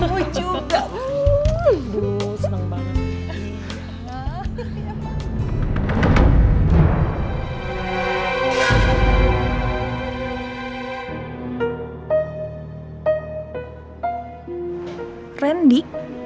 aku sudah selesai